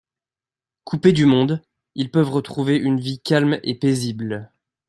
Coupés du monde, ils peuvent retrouver une vie calme et paisible.